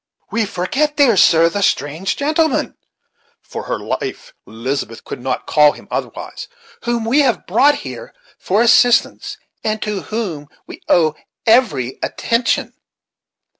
"We forget, dear sir, the strange gentleman" (for her life Elizabeth could not call him otherwise) "whom we have brought here for assistance, and to whom we owe every attention."